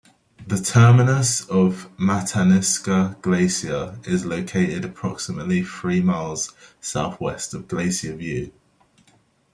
The terminus of Matanuska Glacier is located approximately three miles southwest of Glacier View.